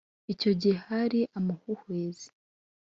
Icyo gihe hari amahuhwezi